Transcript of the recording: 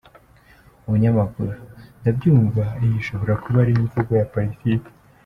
Umunyamakuru: Ndabyumva iyo ishobora kuba ari imvugo ya politiki.